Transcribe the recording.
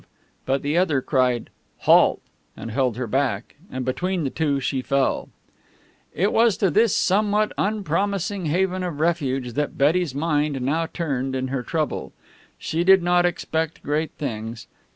but the other cried "Halt!" and held her back, and between the two she fell. It was to this somewhat unpromising haven of refuge that Betty's mind now turned in her trouble. She did not expect great things.